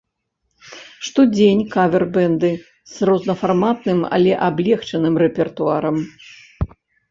Штодзень кавер-бэнды з рознафарматным, але аблегчаным рэпертуарам.